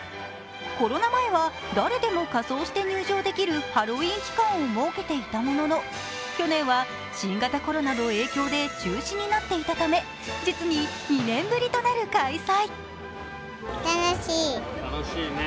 コロナ前は誰でも仮装して入場できるハロウィーン期間を設けていたものの去年は新型コロナの影響で中止になっていたため実に２年ぶりとなる開催。